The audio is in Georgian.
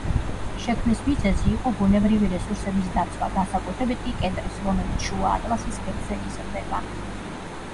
შექმნის მიზეზი იყო ბუნებრივი რესურსების დაცვა, განსაკუთრებით კი კედრის, რომელიც შუა ატლასის ქედზე იზრდება.